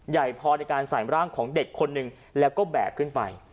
ใหญ่พอในการใส่ร่างของเด็กคนหนึ่งแล้วก็แบกขึ้นไป